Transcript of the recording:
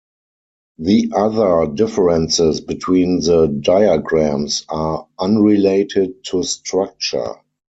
The other differences between the diagrams are unrelated to structure.